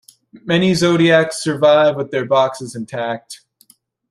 Many Zodiacs survive with their boxes intact.